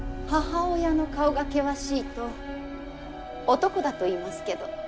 母親の顔が険しいと男だといいますけど。